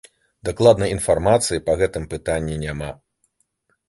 Дакладнай інфармацыі па гэтым пытанні няма.